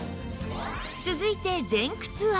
続いて前屈は